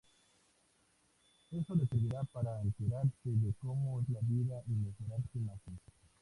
Eso le servirá para enterarse de cómo es la vida y mejorar su imagen.